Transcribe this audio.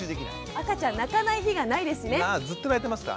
赤ちゃん泣かない日がないですね。